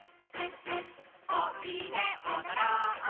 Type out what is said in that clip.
「おいでおどろう」